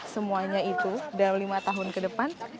semuanya itu dalam lima tahun ke depan